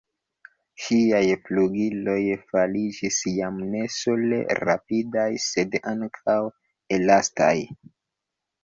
Ŝiaj flugiloj fariĝis jam ne sole rapidaj, sed ankaŭ elastaj!